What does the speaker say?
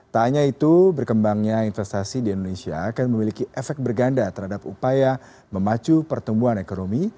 tak hanya itu berkembangnya investasi di indonesia akan memiliki efek berganda terhadap upaya memacu pertumbuhan ekonomi